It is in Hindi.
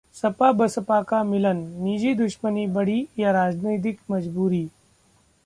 सपा-बसपा का मिलन: निजी दुश्मनी बड़ी या राजनीतिक मजबूरी